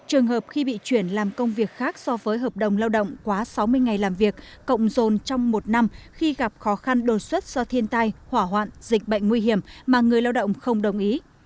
hai trường hợp khi bị chuyển làm công việc khác so với hợp đồng lao động quá sáu mươi ngày làm việc cộng dồn trong một năm khi gặp khó khăn đột xuất do thiên tai hỏa hoạn dịch bệnh nguy hiểm mà người lao động không đồng ý